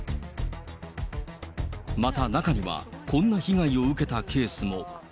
また、中にはこんな被害を受けたケースも。